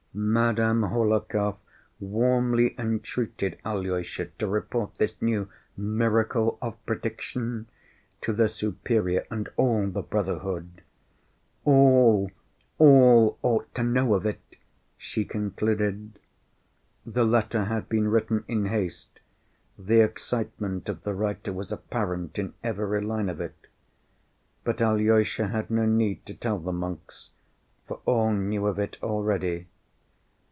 Madame Hohlakov warmly entreated Alyosha to report this new "miracle of prediction" to the Superior and all the brotherhood. "All, all, ought to know of it!" she concluded. The letter had been written in haste, the excitement of the writer was apparent in every line of it. But Alyosha had no need to tell the monks, for all knew of it already.